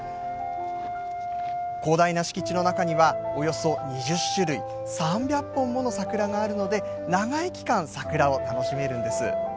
広大な敷地の中にはおよそ２０種類３００本もの桜があるので長い期間、桜を楽しめるんです。